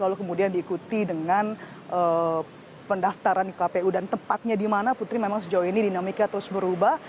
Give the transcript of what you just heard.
lalu kemudian diikuti dengan pendaftaran kpu dan tempatnya dimana putri memang sejauh ini dinamiknya terus berubah